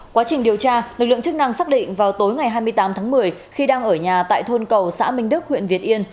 quá trình điều tra lực lượng chức năng xác định vào tối ngày hai mươi tám tháng một mươi khi đang ở nhà tại thôn cầu xã minh đức huyện việt yên